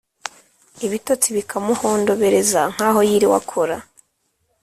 ibitotsi bikamuhondobereza nk’aho yiriwe akora,